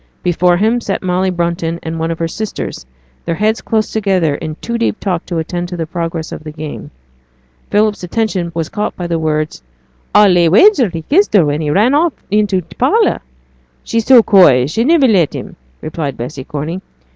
Before him sat Molly Brunton and one of her sisters, their heads close together in too deep talk to attend to the progress of the game. Philip's attention was caught by the words 'I'll lay any wager he kissed her when he ran off into t' parlour.' 'She's so coy she'd niver let him,' replied Bessy Corney.